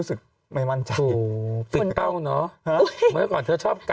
หน้างอ้าคา